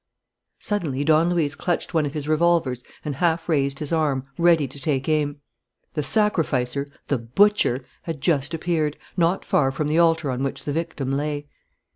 Suddenly Don Luis clutched one of his revolvers and half raised his arm, ready to take aim. The sacrificer, the butcher, had just appeared, not far from the altar on which the victim lay.